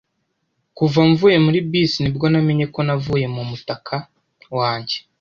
Kuva mvuye muri bisi ni bwo namenye ko navuye mu mutaka wanjye.